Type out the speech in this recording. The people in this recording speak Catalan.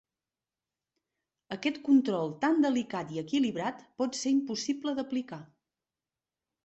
Aquest control tan delicat i equilibrat pot ser impossible d"aplicar.